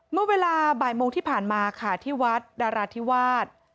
เมื่อเวลาบ่ายโมงที่ผ่านมาค่ะที่วัดดาราธิวาส